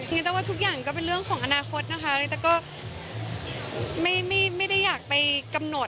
เรียกได้ว่าทุกอย่างก็เป็นเรื่องของอนาคตนะคะเรียกได้ว่าไม่ได้อยากไปกำหนด